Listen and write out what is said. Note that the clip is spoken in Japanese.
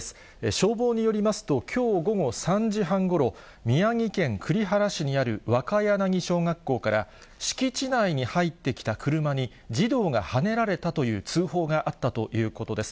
消防によりますと、きょう午後３時半ごろ、宮城県栗原市にあるわかやなぎ小学校から、敷地内に入ってきた車に児童がはねられたという通報があったということです。